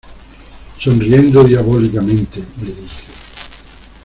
sonriendo diabólicamente, le dije: